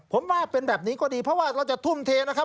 ผมว่าเป็นแบบนี้ก็ดีเพราะว่าเราจะทุ่มเทนะครับ